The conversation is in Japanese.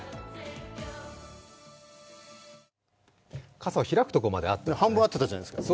傘開くところまで合ってたじゃないですか。